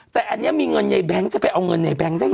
แต่อันนี้มีเงินในแบงค์จะไปเอาเงินในแง๊งได้เห